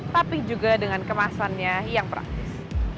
tapi juga dengan kemasannya yang praktis